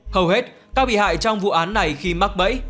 hầu hết các bị hại trong vụ án này khi mắc bẫy